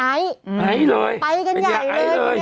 ไอเลยไอเลยไปกันใหญ่เลยตรงนี้